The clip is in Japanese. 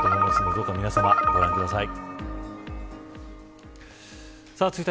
どうか皆さま、ご覧ください。